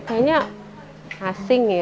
kayaknya asing ya